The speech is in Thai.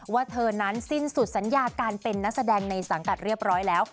ว่าเธอนั้นสิ้นสุดสัญญาการเป็นนักแสดงในสังกัดเรียบร้อยแล้ว